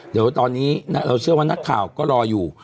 เดี๋ยวตอนนี้เราเชื่อว่านักข่าวก็รออยู่